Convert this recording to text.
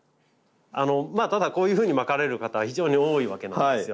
まあただこういうふうにまかれる方非常に多いわけなんですよ。